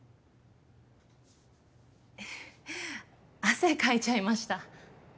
汗かいちゃいました。